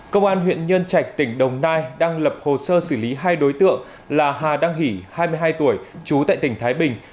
công an huyện nhân trạch tỉnh đồng nai đang lập hồ sơ xử lý hai đối tượng là hà đăng hỷ hai mươi hai tuổi trú tại tỉnh thái bình